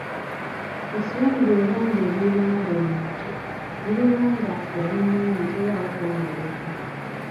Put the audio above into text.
Essowaani bw'eba ng'erirwamu buli muntu, ne bweba nga yali nnungi terwawo kw'onooneka.